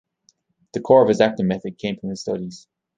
The core of his acting method came from his studies.